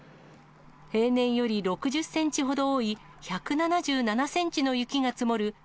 平年より６０センチほど多い１７７センチの雪が積もる